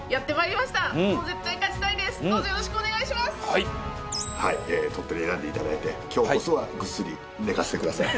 はい鳥取を選んでいただいて今日こそはぐっすり寝かせてください。